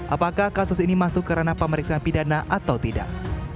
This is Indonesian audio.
apakah kasus ini masuk karena pemeriksaan pidana atau tidak